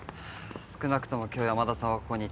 少なくとも今日山田さんはここにいた。